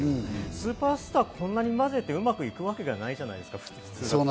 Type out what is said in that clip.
スーパースターをこんなにまぜてうまくいくわけないじゃないですか、普通。